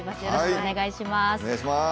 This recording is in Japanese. よろしくお願いします。